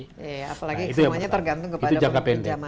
itu yang penting itu jangka pendek